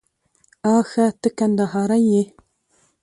آښه ته کندهاری يې؟